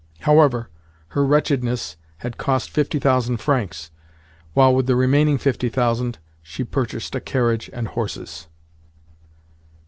However, her "wretchedness" had cost fifty thousand francs, while with the remaining fifty thousand she purchased a carriage and horses.